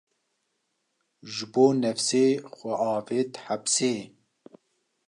Ji bo nefsê, xwe avêt hepsê